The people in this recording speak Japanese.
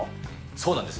そうなんです。